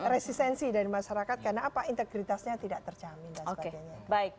resistensi dari masyarakat karena apa integritasnya tidak terjamin dan sebagainya